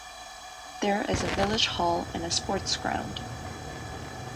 There is a village hall and a sports ground.